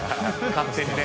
勝手にね。